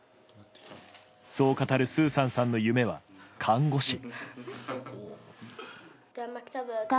そう語るスーサンさんの夢は看護師。